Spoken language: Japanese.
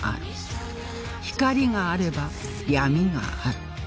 光があれば闇がある